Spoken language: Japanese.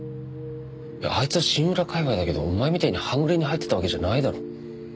あいつはシンウラ界隈だけどお前みたいに半グレに入ってたわけじゃないだろ。